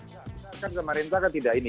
ya kita kan kemarin kan tidak ini